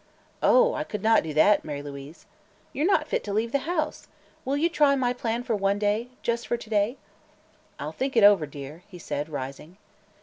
"Oh, I could not do that, Mary Louise." "You're not fit to leave the house. Will you try my plan for one day just for to day." "I'll think it over, dear," he said, rising.